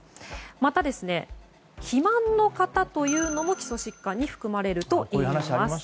また、肥満の方というのも基礎疾患に含まれるといいます。